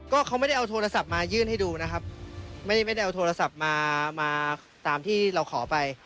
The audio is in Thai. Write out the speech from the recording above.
ก็เขาไม่ได้เอาโทรศัพท์มายื่นให้ดูนะครับไม่ได้ไม่ได้เอาโทรศัพท์มามาตามที่เราขอไป